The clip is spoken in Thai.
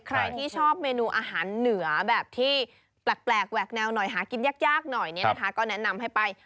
ใครที่ชอบเมนูอาหารเหนือแบบที่แปลกแหวกแนวหน่อยหากินยากหน่อยเนี่ยนะคะก็แนะนำให้ไป